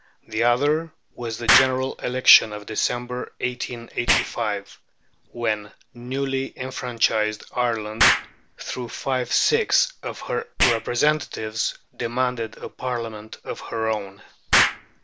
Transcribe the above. The other was the General Election of December, 1885, when newly enfranchised Ireland, through five sixths of her representatives, demanded a Parliament of her own.